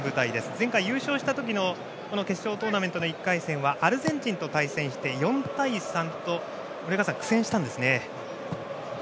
前回優勝した時の決勝トーナメントの１回戦はアルゼンチンと対戦して４対３と苦戦したんですね。